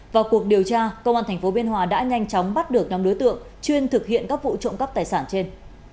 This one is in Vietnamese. vào cuộc điều tra công an thành phố biên hòa đã nhanh chóng bắt được năm đối tượng chuyên thực hiện các vụ trộm cấp tài sản trên